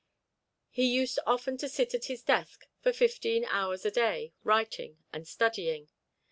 He used often to sit at his desk for fifteen hours a day, writing and studying.